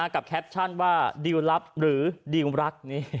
แคปชั่นว่าดิวลลับหรือดิวรัก